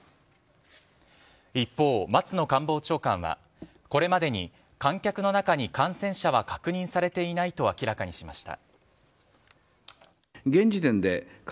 一方、松野官房長官はこれまでに観客の中に感染者は確認されていないと明らかにしました。